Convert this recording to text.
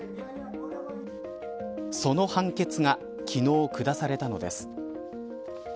その判決が昨日、下されたのです。